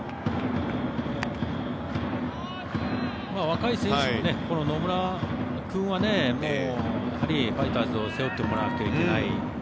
若い選手も野村君はやはりファイターズを背負ってもらわないといけない。